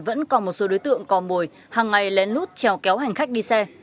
vẫn còn một số đối tượng cò mồi hàng ngày lén lút trèo kéo hành khách đi xe